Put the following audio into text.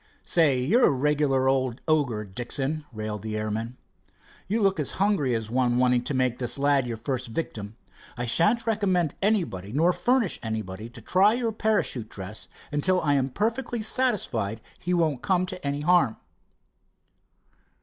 "Say, you're a regular old ogre, Dixon!" railed the airman. "You look as hungry as one, wanting to make this lad your first victim. I shan't recommend anybody, nor furnish anybody to try your parachute dress, until I am perfectly satisfied he won't come to any harm."